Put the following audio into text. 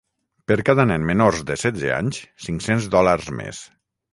Per cada nen menors de setze anys, cinc-cents dòlars més.